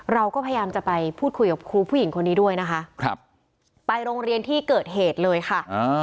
เราก็พยายามจะไปพูดคุยกับครูผู้หญิงคนนี้ด้วยนะคะไปโรงเรียนที่เกิดเหตุเลยค่ะ